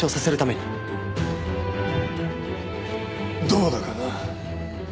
どうだかな。